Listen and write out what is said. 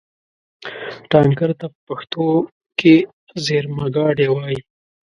ټانکر ته په پښتو کې زېرمهګاډی وایي.